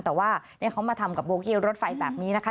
แต่ว่าเขามาทำกับโบกี้รถไฟแบบนี้นะคะ